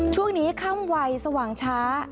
ช่วงนี้ค่ำไวสว่างช้า